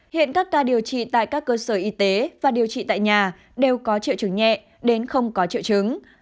hiện các ca điều trị tại các cơ sở y tế và điều trị tại nhà đều có triệu chứng nhẹ đến không có triệu chứng